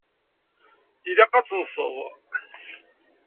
Ilaq ad tenseḍ.